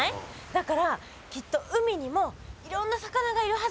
だからきっと海にもいろんな魚がいるはずだよ。